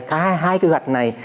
cả hai quy hoạch này